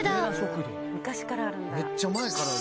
昔からあるんだ。